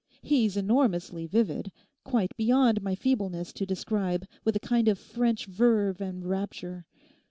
He's enormously vivid—quite beyond my feebleness to describe, with a kind of French verve and rapture.